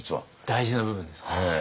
大事な部分です。